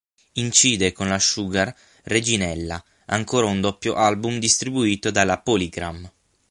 Incide con la Sugar "Reginella" ancora un doppio album distribuito dalla Polygram.